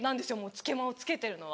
つけまをつけてるのは。